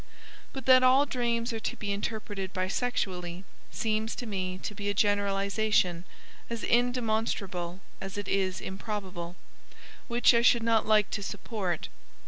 But that all dreams are to be interpreted bisexually, seems to me to be a generalization as indemonstrable as it is improbable, which I should not like to support.